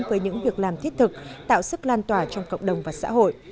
với những việc làm thiết thực tạo sức lan tỏa trong cộng đồng và xã hội